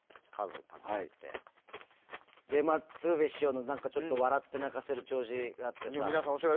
鶴瓶師匠の笑って泣かせる弔辞があって。